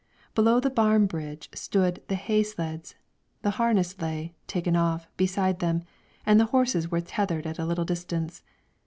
Below the barn bridge stood the hay sleds, the harness lay, taken off, beside them, and the horses were tethered at a little distance.